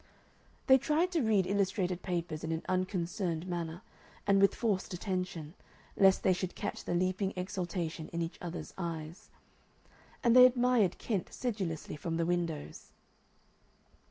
They tried to read illustrated papers in an unconcerned manner and with forced attention, lest they should catch the leaping exultation in each other's eyes. And they admired Kent sedulously from the windows.